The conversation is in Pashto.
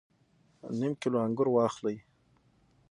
نیم کیلو انګور واخلئ